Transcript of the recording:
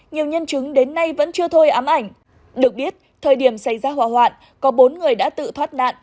nhiều nhân chứng đến nay vẫn chưa thôi ám ảnh được biết thời điểm xảy ra hỏa hoạn có bốn người đã tự thoát nạn